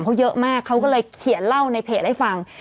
เขาเยอะมากเขาก็เลยเขียนเล่าในเพจให้ฟัง